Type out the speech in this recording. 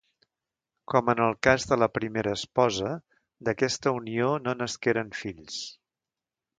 Com en el cas de la primera esposa, d'aquesta unió no nasqueren fills.